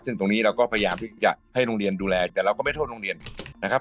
ซึ่งตรงนี้เราก็พยายามที่จะให้โรงเรียนดูแลแต่เราก็ไม่โทษโรงเรียนนะครับ